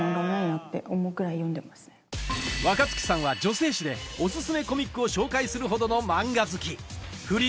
若月さんは女性誌でおすすめコミックを紹介するほどのマンガ好き